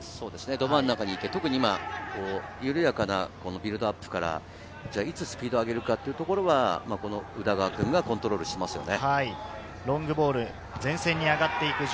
ど真ん中にいて緩やかなビルドアップからいつスピードを上げるか、この宇田川君がコントロールしていますね。